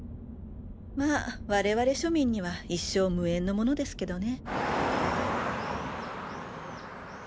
まぁ我々庶民には一生無縁のモノですけどね。